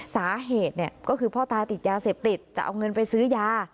สาเหตุก็คือพ่อตาติดยาเสพติดจะเอาเงินไปซื้อยา